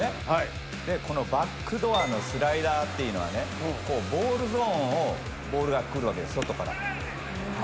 でこのバックドアのスライダーっていうのはボールゾーンをボールが来るわけです外から。